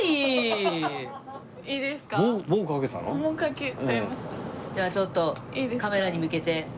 ではちょっとカメラに向けて。